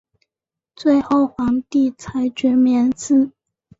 最后皇帝裁决免死。